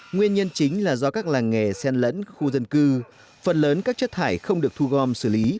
nguyên nhân chính là do các làng nghề sen lẫn khu dân cư phần lớn các chất thải không được thu gom xử lý